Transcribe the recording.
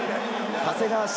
長谷川慎